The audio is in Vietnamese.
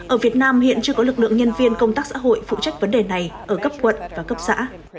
ở việt nam hiện chưa có lực lượng nhân viên công tác xã hội phụ trách vấn đề này ở cấp quận và cấp xã